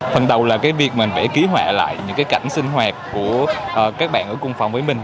phần đầu là việc mình phải ký hoại lại những cảnh sinh hoạt của các bạn ở cung phòng với mình